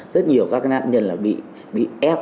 rất nhiều các nạn nhân bị ép